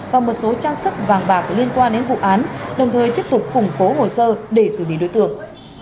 và một số trang sức vàng bạc liên quan đến vụ án đồng thời tiếp tục củng cố hồ sơ để xử lý đối tượng